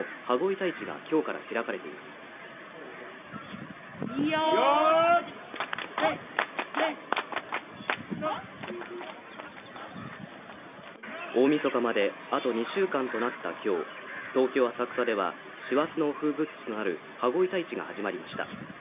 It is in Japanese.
大晦日まであと２週間となったきょう東京・浅草では師走の風物詩となる羽子板市が始まりました